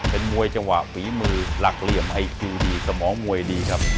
เป็นมวยจังหวะฝีมือหลักเหลี่ยมไอคิวดีสมองมวยดีครับ